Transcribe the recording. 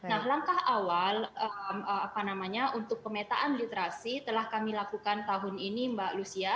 nah langkah awal untuk pemetaan literasi telah kami lakukan tahun ini mbak lucia